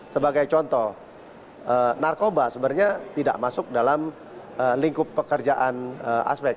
sebagai contoh narkoba sebenarnya tidak masuk dalam lingkup pekerjaan aspek